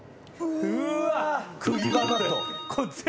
うわ。